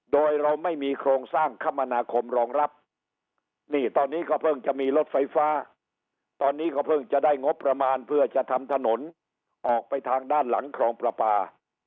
โดยเราไม่มีโครงสร้างคมนาคมรองรับนี่ตอนนี้ก็เพิ่งจะมีรถไฟฟ้าตอนนี้ก็เพิ่งจะได้งบประมาณเพื่อจะทำถนนออกไปทางด้านหลังครองประปา